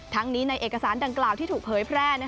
ทั้งนี้ในเอกสารดังกล่าวที่ถูกเผยแพร่